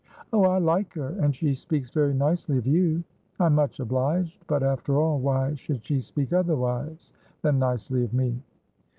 "Oh, I like her! And she speaks very nicely of you." "I'm much obliged. But, after all, why should she speak otherwise than nicely of me?"